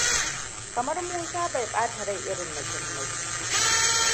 Kamar Musa bai bata rai iri na Jummai.